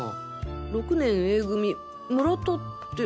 ６年Ａ組村田って。